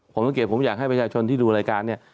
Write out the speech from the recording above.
ผมสังเกตผมอยากให้ประชาชนที่ดูรายการเนี่ย